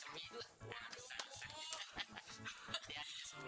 pak semin emang paling baik banget ya